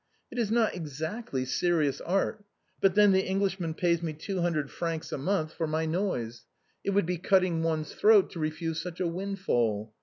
It is not exactly serious art. But then the Englishman pays me two hundred francs a month for my noise ; it would be cutting one's throat to refuse such a windfall.